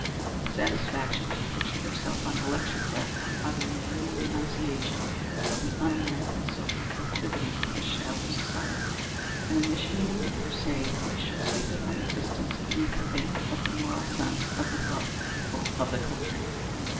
With satisfaction she pictured herself on the lecture platform uttering burning denunciation of the un American social proclivities of this shallow society, and initiating a crusade which should sweep it from existence beneath the ban of the moral sense of the thoughtful people of the country.